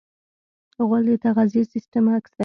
غول د تغذیې سیستم عکس دی.